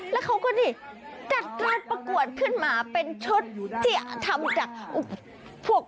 แล้วเขาก็นี่จัดการประกวดขึ้นมาเป็นชุดที่ทำจากพวก